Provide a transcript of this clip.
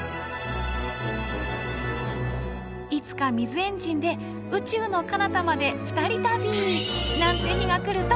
いつか水エンジンで宇宙のかなたまで２人旅なんて日が来るといいですね。